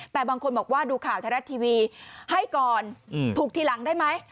แต่บางคนบอกว่าดูข่าวไทยรัฐทีวีให้ก่อนถูกทีหลังได้ไหม